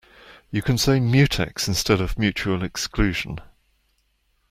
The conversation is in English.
You can say mutex instead of mutual exclusion.